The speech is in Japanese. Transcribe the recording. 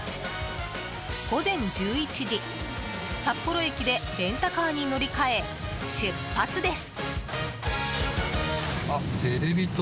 午前１１時、札幌駅でレンタカーに乗り換え出発です。